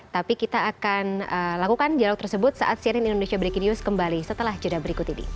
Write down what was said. tapi kita akan lakukan dialog tersebut saat cnn indonesia breaking news kembali setelah jeda berikut ini